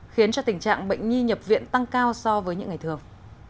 khiến cho tình trạng bệnh nhi nhập viện tăng cao so với những ngày thường